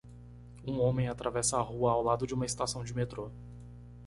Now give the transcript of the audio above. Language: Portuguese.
Um homem atravessa a rua ao lado de uma estação de metrô.